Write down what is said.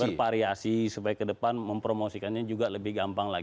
bervariasi supaya ke depan mempromosikannya juga lebih gampang lagi